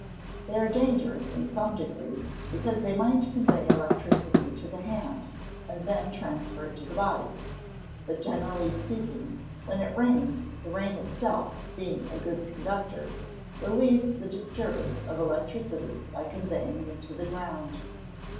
_ They are dangerous in some degree, because they might convey electricity to the hand, and then transfer it to the body. But, generally speaking, when it rains, the rain itself, being a good conductor, relieves the disturbance of electricity by conveying it to the ground.